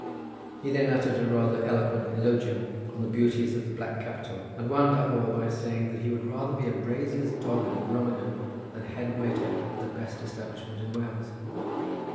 He then uttered a rather eloquent eulogium on the beauties of the black capital, and wound up all by saying that he would rather be a brazier's dog at Brummagem than head waiter at the best establishment in Wales.